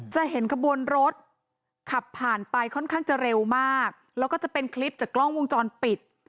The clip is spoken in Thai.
จะเห็นขบวนรถขับผ่านไปค่อนข้างจะเร็วมากแล้วก็จะเป็นคลิปจากกล้องวงจรปิด